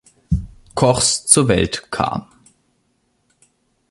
Kochs zur Welt kam.